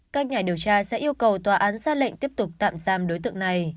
các nhà điều tra sẽ yêu cầu tòa án ra lệnh tiếp tục tạm giam đối tượng này